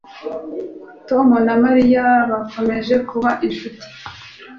Tom na Mariya bakomeje kuba inshuti